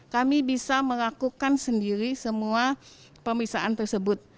kami bisa melakukan sendiri semua pemisahan tersebut